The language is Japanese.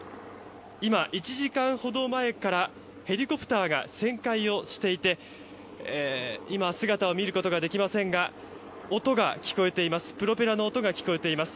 １時間ほど前からヘリコプターが旋回をしていて姿を見ることはできませんがプロペラの音が聞こえています。